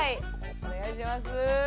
お願いします。